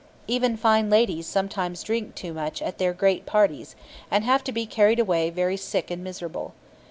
Even fine ladies sometimes drink too much at their great parties, and have to be carried away very sick and miserable.